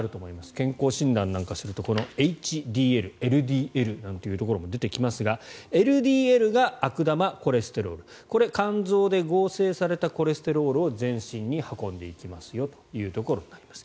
健康診断南下するとこのＨＤＬ、ＬＤＬというところも出てきますがＬＤＬが悪玉コレステロールこれ、肝臓で合成されたコレステロールを全身に運んでいきますよというところになります。